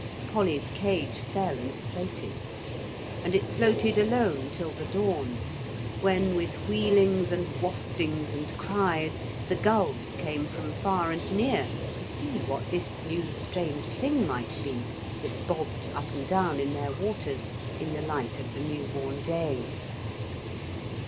Polly's cage fell and floated. And it floated alone till the dawn, when, with wheelings and waftings and cries, the gulls came from far and near to see what this new strange thing might be that bobbed up and down in their waters in the light of the new born day.